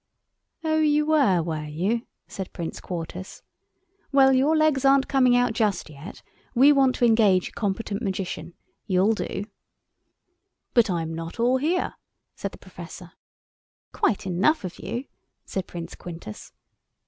"Oh, you were, were you?" said Prince Quartus; "well, your legs aren't coming out just yet. We want to engage a competent magician. You'll do." "But I'm not all here," said the Professor. "Quite enough of you," said Prince Quintus.